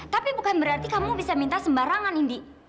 tapi bukan berarti kamu bisa minta sembarangan indi